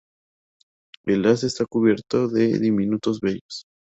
El haz está cubierto de diminutos vellos.